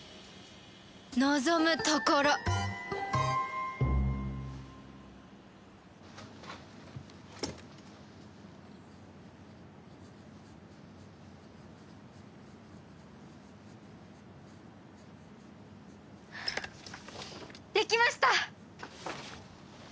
望むところできました！